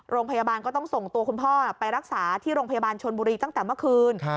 โรงพยาบาลก็ต้องส่งตัวคุณพ่อไปรักษาที่โรงพยาบาลชนบุรีตั้งแต่เมื่อคืน